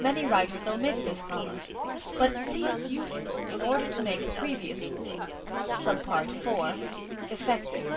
Many writers omit this comma. But it seems useful in order to make the previous rule (d) effective.